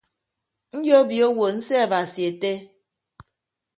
Nyobio owo nseabasi ette.